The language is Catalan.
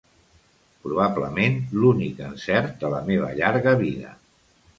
Probablement, l'únic encert de la meva llarga vida.